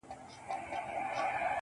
ستا د لپي په رڼو اوبو کي گراني